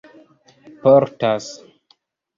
portas